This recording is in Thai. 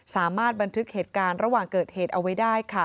สามารถบันทึกเหตุการณ์ระหว่างเกิดเหตุเอาไว้ได้ค่ะ